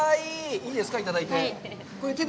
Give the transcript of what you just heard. いいですか、いただいて。